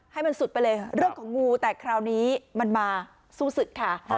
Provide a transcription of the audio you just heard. ให้มันสุดไปเลยเรื่องของงูแต่คราวนี้มันมาสู้ศึกค่ะ